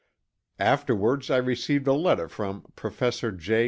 Afterwards I received a letter from Professor J.